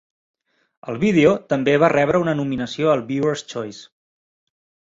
El vídeo també va rebre una nominació pel Viewer's Choice.